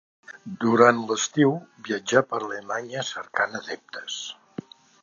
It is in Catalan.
Durant l'estiu, viatjà per Alemanya cercant adeptes.